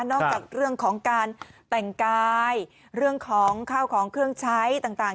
จากเรื่องของการแต่งกายเรื่องของข้าวของเครื่องใช้ต่าง